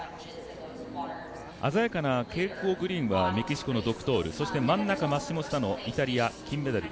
鮮やかな蛍光グリーンはメキシコのドクトールそして、真ん中マッシモ・スタノイタリア、金メダル。